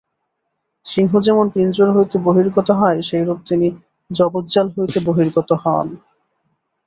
সিংহ যেমন পিঞ্জর হইতে বহির্গত হয়, সেইরূপ তিনি জগজ্জাল হইতে বহির্গত হন।